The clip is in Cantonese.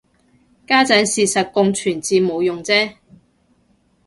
家陣事實共存至冇用啫